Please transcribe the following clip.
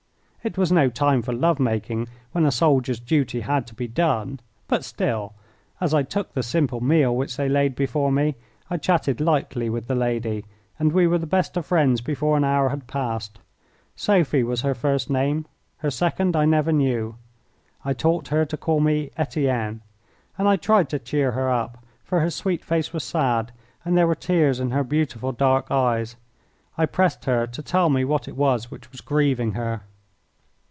It was no time for love making when a soldier's duty had to be done, but still, as I took the simple meal which they laid before me, I chatted lightly with the lady, and we were the best of friends before an hour had passed. Sophie was her first name, her second I never knew. I taught her to call me Etienne, and I tried to cheer her up, for her sweet face was sad and there were tears in her beautiful dark eyes. I pressed her to tell me what it was which was grieving her.